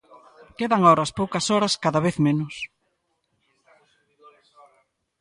Quedan horas, poucas horas, cada vez menos.